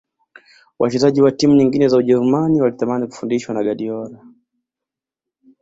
Wachezaji wa timu nyingine za ujerumani walitamani kufundishwa na guardiola